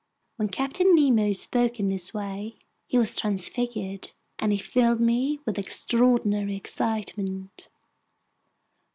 When Captain Nemo spoke in this way, he was transfigured, and he filled me with extraordinary excitement.